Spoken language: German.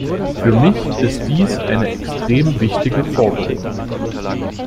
Für mich ist dies eine extrem wichtige Forderung.